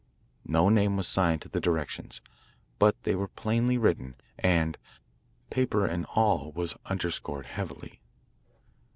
'" No name was signed to the directions, but they were plainly written, and "paper and all" was underscored heavily.